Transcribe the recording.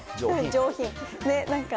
上品。